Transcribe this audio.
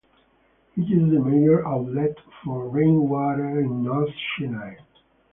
It is the major outlet for rainwater in North Chennai.